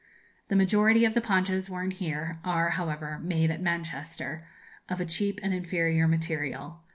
The majority of the ponchos worn here are, however, made at Manchester, of a cheap and inferior material.